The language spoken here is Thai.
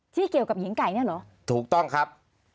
ที่เกี่ยวกับหญิงไก่เนี่ยเหรอถูกต้องครับ